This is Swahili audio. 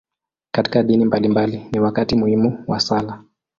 Katika dini mbalimbali, ni wakati muhimu wa sala.